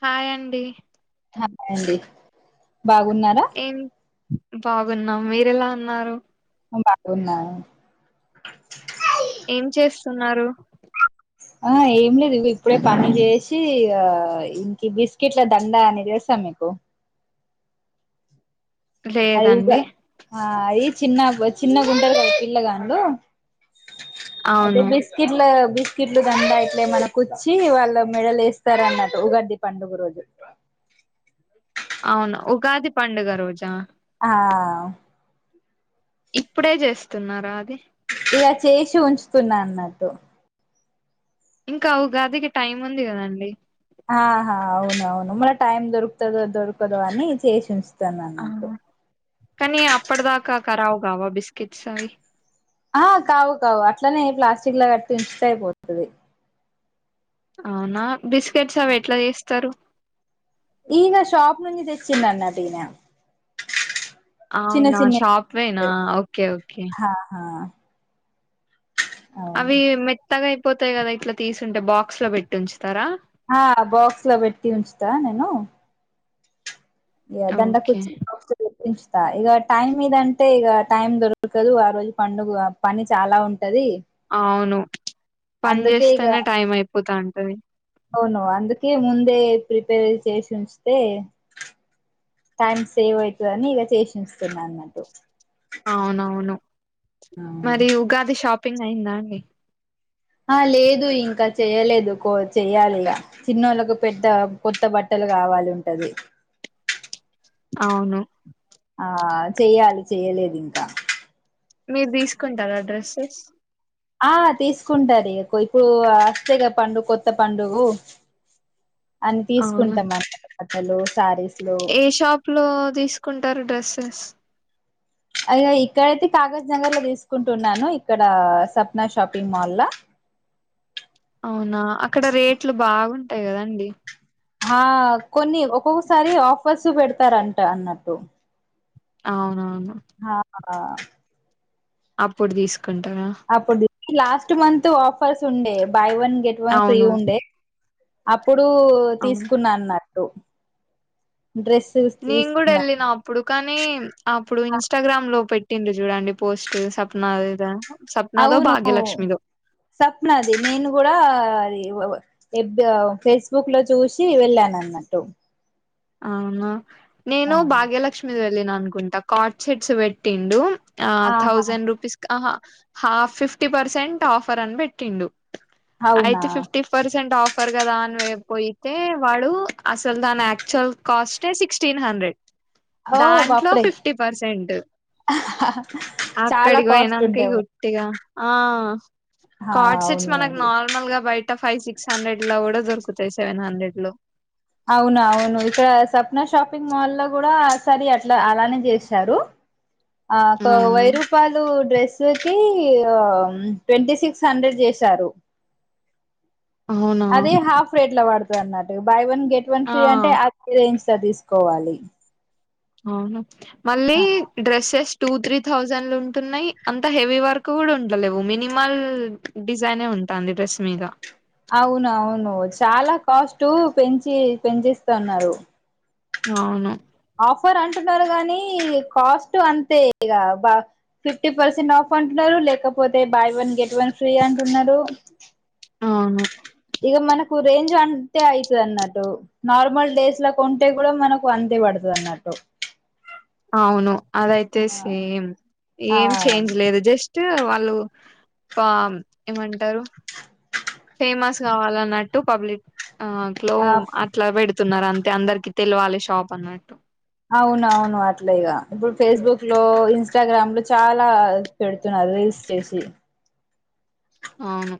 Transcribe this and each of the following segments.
Hi అండి ఆ హాయండి బాగున్నారా బాగున్నం మీరెలా ఉన్నారు మేం బాగున్నాం ఏం చేస్తున్నారు ఆ ఏం లేదు ఇగొ ఇప్పుడే పనిజేసి ఆ ఇంకి బిస్కెట్ల దండనే జేస్ మీకు అది లేదండి ఉగా ఆ అయి చిన్నాగ్ చిన్న గుంటారు పిల్లగాండ్లు అయితే అవును బిస్కిట్ల బి స్కిట్లు దండ ఇట్లేమనకుచ్చి వాళ్ళ మెడల్ యేస్తరన్నట్టు ఉగాది పండుగ రోజు అవును ఉగాది పండుగ రోజా ఆ ఇప్పుడే జేస్తున్నారా అది తో ఇంకా ఉగాదికి టైముంది గదండి ఆహా అవునవును మల టైం దొరుక్తదో దొరుకదో అని చేసి ఉంచ్ ఆ కానీ అప్పటిదాకా కరావుగావా బిస్కిట్స్ అవి ఆ కావు కావు అట్లనే ప్లాస్టిక్ల కట్టుంచుతే అయిపోతది అవునా బిస్కెట్స్ అవెట్ల చేస్తారు? ఈనా షాప్నుంచి తెచ్చిండన్నట్టినా అవునా షాప్వేనా ఓకే ఓకే ఆహా అవును అవి మెత్తగైపోతయ్ గదా ఇట్ల తీసుంటే బాక్స్ లో వెట్టుంచుతరా. ఆ బాక్స్ లో బెట్టి ఉంచుతా నేను. ఇగా ఓకే దండకుచ్చి ఉన్చుతా ఇగ టైమ్ మీదంటే ఇగ టైం దొరకకదు ఆ రోజు పండుగ పని చాలా ఉంటది అవును పని అందుకే ఇగ చేస్తేనే టైం అయిపోతా ఉంటది అవును అందుకే ముందే ప్రిపేర్ చేసి ఉంచితే టైమ్ సేవ్ అవుతదని ఇగ చేసి ఉంచుతున్న అన్నటు అవునవును అవును మరి ఉగాది షాపింగ్ అయిందా అండి ఆ లేదు ఇంకా చెయలేదు కో చెయాలిగా చిన్నోళ్ళలకు పెద్ద కొత్త బట్టలు రావాలి ఉంటది అవును ఆ చెయ్యాలి చెయలేదు ఇంకా. మీరు తీసుకుంటారా డ్రెస్సెస్? ఆ తీసుకుంటారు ఇప్పుడు వస్తే పండుగ కొత్త పండుగు అని అవునా తీసుకుంటాన్న కట్టలు శారీస్లు ఏ షాప్ లో తీసుకుంటారు డ్రెస్సెస్ అయగ ఇక్కడైతే కాగజ్ నగర్ లో తీసుకుంటున్నాను. ఇక్కడ సప్నా షాపింగ్ మాల్లా. అవునా అక్కడ రేట్లు బాగుంటాయి కదా అండి? ఆ కొన్ని ఒక్కొక్కసారి ఆఫర్స్ పెడతారంట అన్నట్టు. అవునా ఆ హహ అప్పుడు తీసుకుంటారా? అప్పుడు లాస్ట్ మంత్ ఆఫర్స్ ఉండే buy one get one free అవును ఉండే. అప్ ఇప్పుడు అవును తీసుకున్నాన్నట్టు నేను కూడా ఎళ్ళిన అప్పుడు కానీ నేమ్ అప్పుడు ఇన్స్టాగ్రామ్ లో పెట్టిండు చూడండి పోస్ట్ సప్నా లేదా అవును సప్నది నేను కూడా ఎ ఓ వ్ ఎప్పివవ్ ఫేస్బుక్ లో చూసి వెళ్ళాను అన్నట్టు. అవునా ఆ నేను భాగ్యలక్ష్మి వెళ్ళిన అనుకుంటా కాట్ చెడ్స్ పెట్టిండు. ఆ ఆహా థౌజండ్ రూపీస్ అహ హాఫ్ ఫిఫ్టీ పర్సెంట్ ఆఫర్ అని పెట్టిండు. అవునా అయితే ఫిఫ్టీ పర్సెంట్ ఆఫర్ కదా అనిపోయితే వాడు అసలు దనే కాస్టే సిక్స్టీన్ హండ్రెడ్ ఓ దాంట్లో బాప్రే ఫిఫ్టీ పర్సెంట్. చాలా అక్కడికి కాస్ట్ ఓయినాంక ఉంటాయి ఉట్టిగా ఆ ఆ, కార్డ్ సెట్స్ అవును మనకు అది నార్మల్ గా బయట త ఫైవ్ సిక్స్ హండ్రెడ్ లా కూడా దొరుకుతాయి సెవెన్ హండ్రెడ్ లో. అవున అవును ఇక్కడ సప్నా షాపింగ్ మాల్ లో కూడా సరి అట్లా అలానే చేశారు. ఆ కో వై అవును రూపాలు డ్రెస్ చూతి ట్వంటీ సిక్స్ హండ్రెడ్ చేశారు. అవునా అది హాఫ్ రేట్ లో పడుతుంది అన్నట్టు buy one get one free ఆ అంటే అది రేంజ్ చ తీసుకోవాలి ఆవును మళ్ళీ డ్రెస్ ఎస్ టూ, త్రీ థౌజండ్లు ఉంటున్నాయి. అంత హెవీ వర్క్ కూడా ఉండలేవు. మినిమల్ డిజైనే ఉ ఉంటాంది డ్రెస్స్ మీద అవును అవును చాలా కాస్ట్ పెంచి పెంచిస్తన్నారు. అవును ఆఫర్ అంటున్నారు గానీ కాస్ట్ అంతే ఇగ బా ఫిఫ్టీ పర్సెంట్ ఆఫ్ పంటలు లేకపోతే buy one get one free అంటున్నారు. అవును ఇక మనకు రేంజ్ అంతే అయితుది అన్నట్టు నార్మల్ డేస్ లో కొంటే కూడా మనకు అ పడ్తదియన్నట్టు అవును అదయితే సేమ్ ఆ ఆ ఏం చేంజ్ లేదు జస్ట్ వాళ్ళు పాం ఏమంటారు ఫేమస్ కావాలన్నట్టు పబ్లిక్ ఆ అట్లో ఆ అట్లా వేడుతున్నారు అంతే అందరికి తెల్వాలి షాపు అన్నట్టు. అవునవును అట్లే ఇగ ఇప్పుడ్ ఫేస్బుక్ లో, ఇన్స్టాగ్రామ్ చాలా పెడుతున్నార్. రీల్స్ చేసి అవును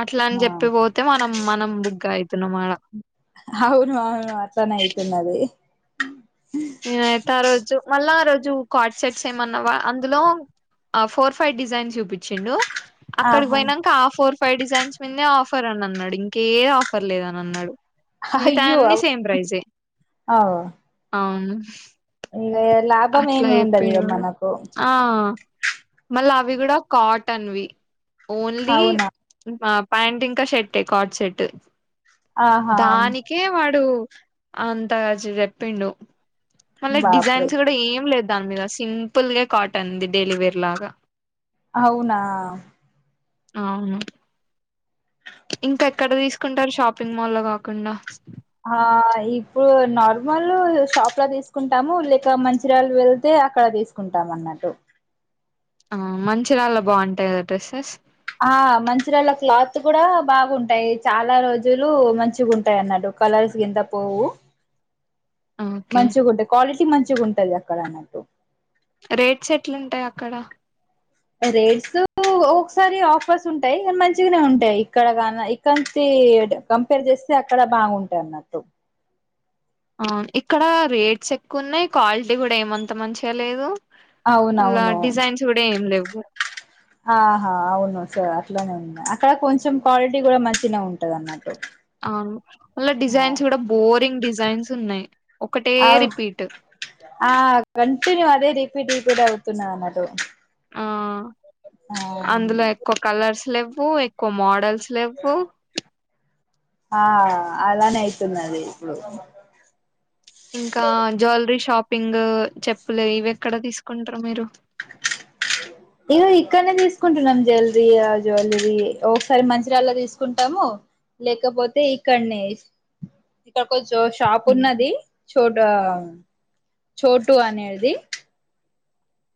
అట్ల అని ఆ జెప్పిపోతే మనం మనం బుగ్గ అంటున్నం అడ అవును అవును అట్లనే అయితున్నదీ నేనైతే ఆ రోజు మళ్ళా ఆ రోజు కార్డ్ సెట్స్ ఏమన్నా వా అందులో ఆ ఫోర్ ఫైవ్ డిజైన్ చూపించిండు అక్కడికి ఆహా పోయినాక ఆ ఫోర్ ఫైవ్ డిజైన్స్ మీద్నే ఆఫర్ అని అన్నాడు ఇంకే ఆఫర్ లేదని అన్నాడు మిగితై అయ్యో అన్ని సేమ్ ప్రైజే ఆ ఇగ లాభం అట్ల ఏమి ఉండదు అయిపోయినా ఇగ వాడు మనకు మళ్ళ అవి గూడా కాటన్వి ఓన్లీ అవునా పా ప్యాంట్ ఇంకా షేర్టే కాట్ సెట్ ఆహా దానికే వాడు అంతగా జెప్పిండు మళ్ళ బాప్రే డిజైన్స్ గూడా ఏం లేద్ దాని మీద సింపుల్ గ కాటన్ ది డైలీవేర్ లాగా ఔనా అవును ఇంకా ఎక్కడ దీసుకుంటారు షాపింగ్ మాల్ల్లో గాకుండా ఆహ్ ఇప్పుడు నార్మల్ షాప్లా దీసుకుంటాము లేకా మంచిర్యాళ్ళు వెళ్తే అక్కడ దీసుకుంటాం అన్నట్టు ఆ మంచిర్యాళ్ళ బాగుంటాయ డ్రెస్సెస్ ఆ మంచిరాళ్ళ క్లాత్ గూడా బాగుంటాయి చాలా రోజులు మంచిగుంటై అన్నట్టు కలర్స్ గింత పోవు ఓకే మంచిగుంటాయి క్వాలిటీ మంచిగుంటది అక్కడ అన్నట్టు రేట్స్ ఎట్లుంటాయి అక్కడ రేట్స్ ఒక్కొకసారి ఆఫర్స్ ఉంటాయి ఇగ మంచిగానే ఉంటాయి ఇక్కడ కన ఇక్కడ్నుంచి కంపేర్ జెస్ అక్కడ బాగుంటాయి అన్నట్టు అవున్ ఇక్కడ రేట్స్ ఎక్కువున్నాయి క్వాలిటీ గూడా ఏమంత మంచిగా లేదు మళ్ళ అవునవును డిజైన్స్ గూడా ఏం లేవు ఆహా అవును సా అట్లనే ఉంది అక్కడ కొంచెం క్వాలిటీ గూడా మంచినే ఉంటదన్నట్టు మళ్ళ డిజైన్స్ గూడా బోరింగ్ డిజైన్స్ ఉన్నాయి ఒకటే ఔ రిపీట్ ఆ కంటిన్యూ అదే రిపీట్ రిపీట్ అవుతున్నాయి అన్నట్టు ఆ అందులో ఆ ఎక్కువ కలర్స్ లేవ్వు ఎక్కువ మోడల్స్ లెవ్వు ఆ అలానే అయితున్నది ఇప్పుడు ఇంకా జ్యూలరీ షాపింగ్ చెప్పులు ఇవ్వెక్కడ తీసుకుంటారు మీరు ఇగో ఇక్కడనే దిసుకుంటున్నాం జ్యువలరీ జ్యులరీ ఒకసారి మంచిర్యాళ్ళ దిసుకుంటాము లేకపోతే ఇక్కడ్నే ఇక్కకోన్ షో షాప్పూన్నది చోటా చోటు అనేది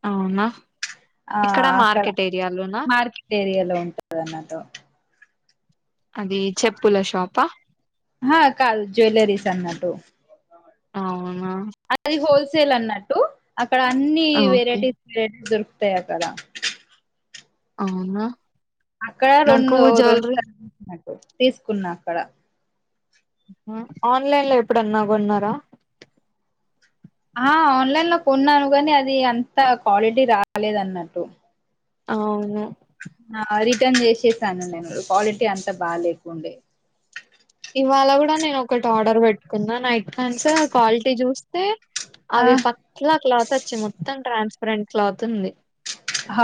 అవునా ఆ ఇక్కడ అక్కడ మార్కెట్ ఏరియాలోనా మార్కెట్ ఏరియాలో ఉంటదన్నట అది చెప్పుల షాపా ఆహా కాదు జ్వలరిస్ అన్నటు ఔన్ అది హోల్సేల్ అన్నట్టు అక్కడ అన్ని ఓకే వెరైటీ వెరైటీ దొర్ తె అంటగా అవునా అక్కడ నాకు రొండు రొండు జ్యువెలరీ [unintelligible] తీసుకున్నా అక్కడ ఆ ఆన్లైన్ లో ఎప్పుడన్నా కొన్నారా ఆ ఆన్లైన్ లో కొన్నాను గాని అది అంత క్వాలిటీ రాలేదు అన్నట్టు అవును ఆ రిటర్న్ చేషేసాను నేను క్వాలిటీ అంతా బా లేకుండే ఇవాళ కూడా నేను ఒకటి ఆర్డర్ పెట్టుకున్నా నైట్ ప్యాంట్స్ క్వాలిటీ చూస్తే ఆ అవి ప్యాతల క్లాత్ ఒచ్చింది మొత్తం ట్రాన్స్పరెంట్ క్లాత్ ఉంది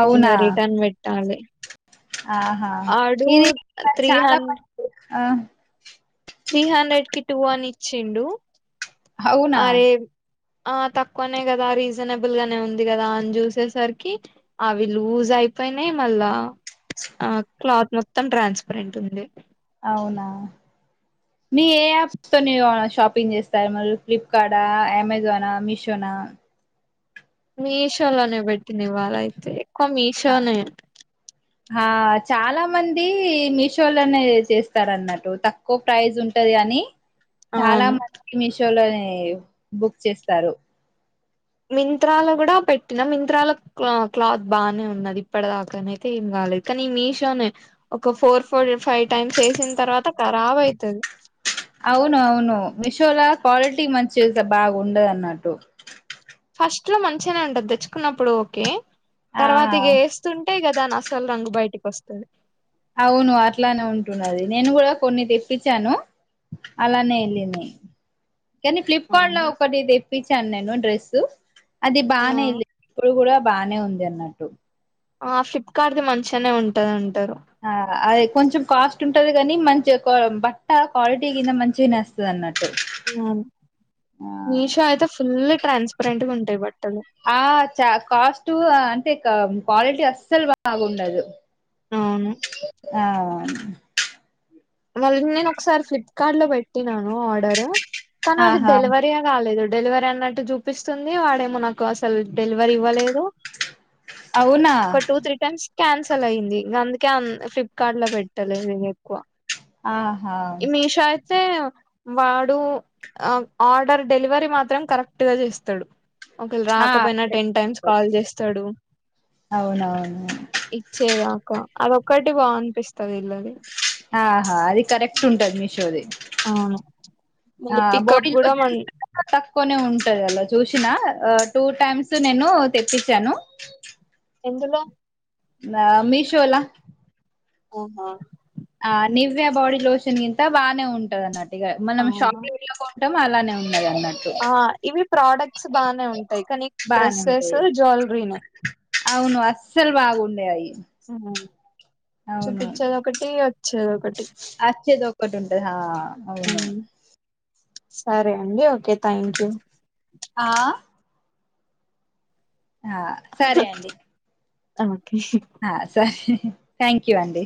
అవునా ఇంగా రిటర్న్ పెట్టాలే ఆహా [unintelligible] త్రీ చాలా హన్ ఆ త్రీ హండ్రెడ్ కి టూ అని ఇచ్చిండు హవునా అరే ఆ తక్కువనే కదా రీసనబుల్ గానే ఉంది కదా అని చూసేసరికి అవి లూస్ అయ అయిపోయినాయి మళ్ళా ఆ క్లాత్ మొత్తం ట్రాన్స్పరెంట్ ఉంది అవునా మీ ఏ యాప్స్ తోనీ షాపింగ్ చేస్తాఉన్నారు ఫ్లిప్కార్డు అమెజానా మీషో అ మీషోలనే పెట్టినివాళ అయితే ఎక్కువ మీషోనే హ చాలా మంది మీషో లోనే చేసేస్తారు అన్నట్టు తక్కువ ప్రైజ్ ఉంటది అని చాలా అవును మంది మీషో లోనే బుక్ చేస్తారు మింత్రాలో కూడా పెట్టినం మింత్రాలో క్లాత్ బానే ఉన్నది ఇప్పడి దాక అయితే ఏం కా కానీ ఈ మీషోనే ఒక ఫోర్ ఫోర్ ఫైవ్ టైమ్స్ ఎసిన్ తర్వాత ఖరాబ్ అయితది అవును అవును మిషోలా క్వాలిటీ మంచి చే బాగుండవు అన్నట్టు ఫస్ట్ లో మంచిగానే ఉంటది దేచ్చుకున్నప్పుడు ఓకే ఆ తర్వాత ఇగ ఎస్తుంటే ఇగ దాని అసల్ రంగు బయటికి ఓస్తాదీ అవును అట్లానే ఉంటున్నది నేను కూడా కొన్ని తెప్పిచ్చాను అలానే యేల్లినాయి కానీ ఫ్లిప్కార్ట్ లో అవును ఒకటి దేప్పిచ్చాను నేను డ్రెస్సు అది బానే ఎల్లీ ఇంప్రూవ్ కూడా బానే ఉంది అన్నట్టు ఆ ఫ్లిప్కార్ట్దిి మంచిగానే ఉంటది అంటారు ఆ అది కొంచెం కాస్ట్ ఉంటది కాని మంచిగ బట్ట క్వాలిటీ గిన మంచిగానేేస్తుంది అన్నట్టు మ్ ఆ మీషో అయితే ఫుల్ల్ ట్రాన్స్పరెంట్గా ఉంటాయి బట్ ఆ చ కాస్ట్ అంటే ఇక్క క్వాలిటీ అస్సలు బాగుండదు అవును ఆ మళ్ళీ నేను ఒకసారి ఫ్లిప్కార్ట్ లో పెట్టినాను ఆర్డరు కానీ అది ఆహా డెలవరీ ఏ కాలేదు డెలవరీ అన్నట్టు చూపిస్తుంది వాడేమో నాకు అసలు డెలివరీ ఇవ్వలేదు అవునా దు క టూ త్రీ టైమ్స్ కాన్సిల్ అయింది కేం ఫ్లిప్కార్ట్ లో పెట్టలేదు ఇగ ఎక్కువ ఆహా ఇ మీషో ఐతే వాడు ఆ ఆర్డర్ డెలివరీ మాత్రం కరెక్ట్ గా చేస్తాడు ఒకేల ఆ రాకపోయినా టెన్ టైమ్స్ కాల్ చేస్తాడు అవునవును ఇచ్చేదాకా అదొక్కటి బాగా అనిపిస్తది వీళ్ళ ఆహా అది కరెక్ట్ ఉంటది మీషోది అవును ఆ మళ్ళీ పికప్ కూడా మ [unintelligible] తక్కునే ఉం లో చూసిన టూ టైమ్స్ నేను తెప్పిచ్ఛాను ఎందులో నా మీషోలా ఓహో ఆ నివయా బాడీ లోషన్ గింత బానే ఉంటంది అన్నట్టు ఇగ మనం అవునా షాపుల టం అలానే ఉన్నది అన్నట్టు ఆ ఇవి ప్రోడక్ట్స్ బానే ఉంటాయి కానీ బానే డ్రెస్సెస్ ఉంటది జువెలరీనే అవును అస్సలు బాగుండయ్ అయి మ్ అవును చూపిచ్చేదొకటి ఓచ్చేది ఒకటి అచ్చేది ఒక్కటి ఉంటది హా అవును సరే అండి ఓకే థ్యాంక్ యూ ఆ ఆ సరే అండి ఓకే ఆ స థ్యాంక్ యూ అండి